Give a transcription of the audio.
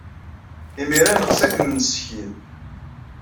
Imir-a, neɣs ad kem-nessekyed.